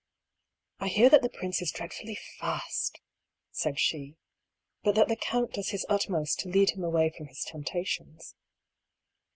" I hear that the prince is dreadfully /a«^," said she. " But that the count does his utmost to lead him away from his temptations."